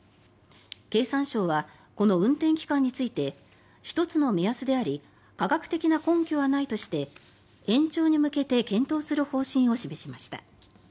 経産省は、この運転期間について１つの目安であり科学的な根拠はないとして延長に向けて検討する方針を示しました。